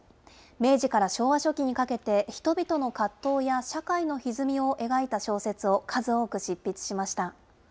明治から昭和初期にかけて、人々の葛藤や社会のひずみを描いた小説を数多く執筆しました。